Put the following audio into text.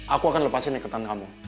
aku akan lepasin ikutan kamu